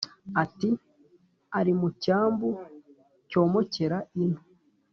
Uti : Ari mu cyambu cyomokera ino!